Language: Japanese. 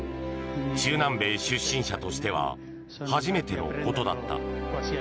中南米出身者としては初めてのことだった。